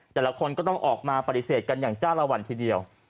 แต่ละคนก็ต้องออกมาปฏิเสธกันอย่างจ้าละวันทีเดียว